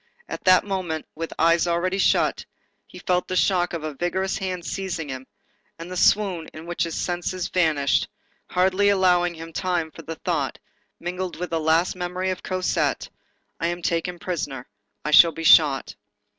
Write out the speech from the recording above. At that moment, with eyes already shut, he felt the shock of a vigorous hand seizing him, and the swoon in which his senses vanished, hardly allowed him time for the thought, mingled with a last memory of Cosette:—"I am taken prisoner. I shall be shot."